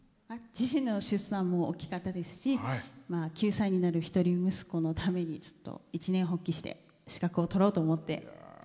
自身の出産も大きかったですし９歳になる一人息子のために一念発起して資格を取ろうと思って。